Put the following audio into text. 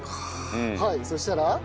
はいそしたら？